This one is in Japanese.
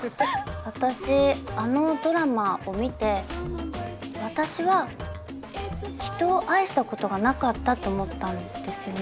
私あのドラマを見て私は人を愛したことがなかったと思ったんですよね。